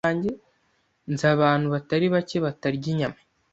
Nzi abantu batari bake batarya inyama.